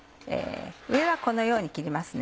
上はこのように切ります。